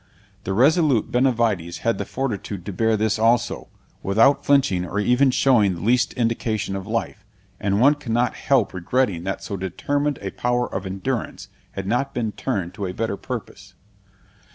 The resolute Benavides had fortitude to bear this also, without flinching or even showing the least indication of life; and one cannot help regretting that so determined a power of endurance had not been turned to a better purpose.